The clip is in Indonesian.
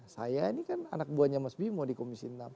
saya ini kan anak buahnya mas bimo di komisi enam